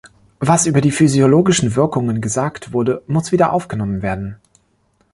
Was über die physiologischen Wirkungen gesagt wurde, muss wieder aufgenommen werden.